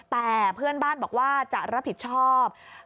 แต่เพื่อนบ้านบอกว่าจะรับผิดชอบ